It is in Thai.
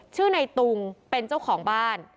ชื่อในตุงเป็นเจ้าของบ้าน